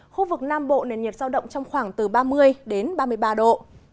khu vực nam bộ nền nhiệt giao động trong khoảng từ ba mươi đến ba mươi ba độ